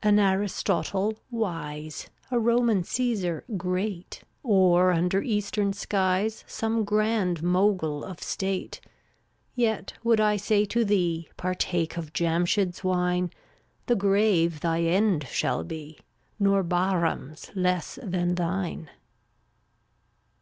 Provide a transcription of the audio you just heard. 329 An Aristotle, wise; &}\%iftY A Roman Caesar, great; rn Or, under eastern skies vj^' Some grand Mogul of state, — KUftCT Yet would I say to thee J Partake of Jamschid's wine; The grave thy end shall be, Nor Bahrain's less than thine.